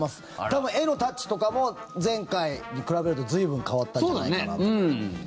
多分、絵のタッチとかも前回に比べると随分変わったんじゃないかなと。